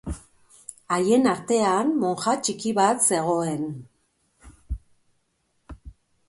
Haien artean monja txiki bat zegoen.